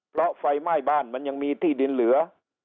เพราะไฟไหม้บ้านมันยังมีที่ดินเหลือ